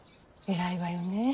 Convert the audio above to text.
偉いわよねえ。